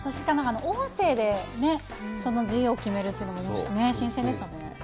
音声で字を決めるというのは新鮮でしたよね。